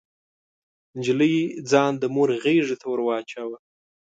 نجلۍ ځان د مور غيږې ته ور واچاوه.